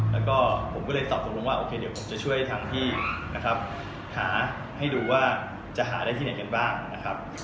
แล้วก็ผมก็เลยตอบตกลงว่าโอเคเดี๋ยวผมจะช่วยทางพี่นะครับหาให้ดูว่าจะหาได้ที่ไหนกันบ้างนะครับ